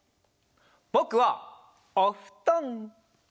ぼくはおふとん！